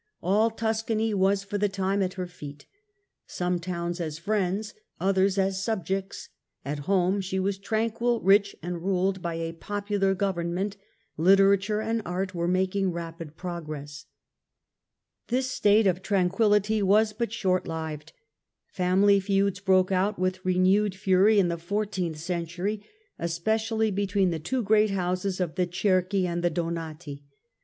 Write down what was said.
All Tuscany was for the time at her feet ; some towns as friends, others as subjects : at home she was tranquil, rich and ruled by a popular government ; literature and art were making rapid pro gress. Family This statc of tranquillity was but short lived : familv dissensions ^,,.•, i p ■^ e i ieuds broke out with renewed lury m the fourteenth century, especially between the two great houses of the Cerchi and the Donati.